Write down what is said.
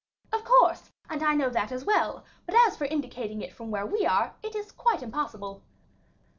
"Of course, and I know that as well; but as for indicating it from where we are, it is quite impossible."